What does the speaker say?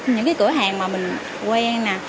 những cái cửa hàng mà mình quen